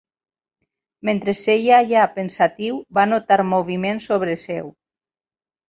Mentre seia allà pensatiu va notar moviment sobre seu.